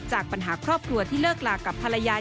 จากปัญหาครอบครัวที่เลิกลากับภรรยา